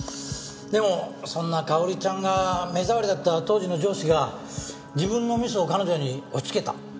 でもそんな香織ちゃんが目障りだった当時の上司が自分のミスを彼女に押しつけた。